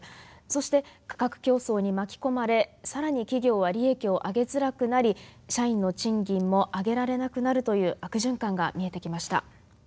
そして価格競争に巻き込まれ更に企業は利益を上げづらくなり社員の賃金も上げられなくなるという悪循環が見えてきました。